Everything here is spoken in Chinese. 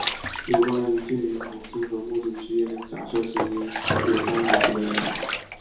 有关于介于火星和木星之间的假设行星有三种主要的想法。